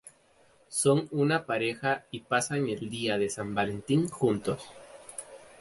Son una pareja y pasan el Día de San Valentín juntos.